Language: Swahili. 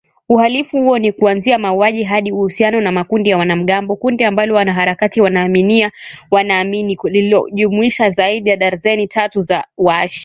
Uhalifu huo ni kuanzia mauaji hadi uhusiano na makundi ya wanamgambo, kundi ambalo wanaharakati wanaamini lilijumuisha zaidi ya darzeni tatu za wa shia